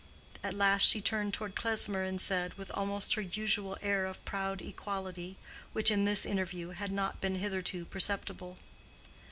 At last she turned toward Klesmer and said, with almost her usual air of proud equality, which in this interview had not been hitherto perceptible.